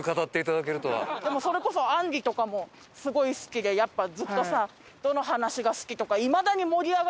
でもそれこそあんりとかもすごい好きでやっぱずっとさどの話が好きとかいまだに盛り上がれるよね。